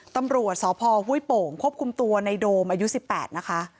ตำรวจสพห้วยโป่งควบคุมตัวในโดมอายุ๑๘นะคะ